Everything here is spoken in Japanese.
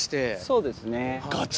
そうですね。